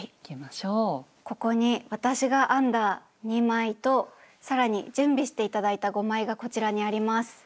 ここに私が編んだ２枚と更に準備して頂いた５枚がこちらにあります。